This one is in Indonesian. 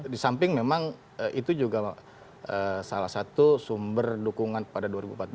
di samping memang itu juga salah satu sumber dukungan pada dua ribu empat belas